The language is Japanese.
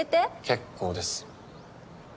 結構です。